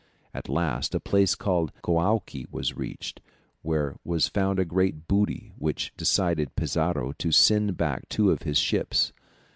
At last a place called Coaqui was reached, where was found a great booty, which decided Pizarro to send back two of his ships.